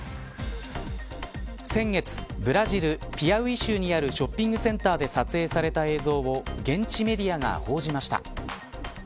先月、ブラジル、ピアウイ州にあるショッピングセンターで撮影された映像を現地メディアが報じました。